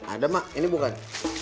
ada mak ini bukan